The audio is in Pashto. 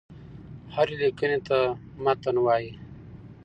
هري ليکني ته متن وايي.